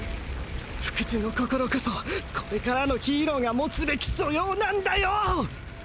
不屈の心こそこれからのヒーローが持つべき素養なんだよ！